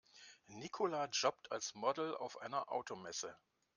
Nicola jobbt als Model auf einer Automesse.